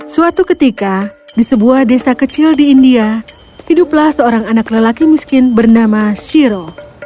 suatu ketika di sebuah desa kecil di india hiduplah seorang anak lelaki miskin bernama shiro